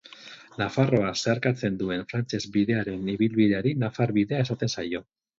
Nafarroa zeharkatzen duen Frantses bidearen ibilbideari Nafar bidea esaten zaio.